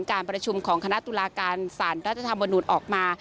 การประชุมของคณะตุลาการสารรัฐธรรมนุนออกมา